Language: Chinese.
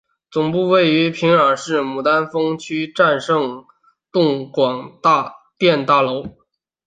总部位于平壤市牡丹峰区战胜洞广电大楼。